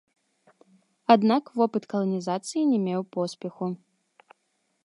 Аднак вопыт каланізацыі не меў поспеху.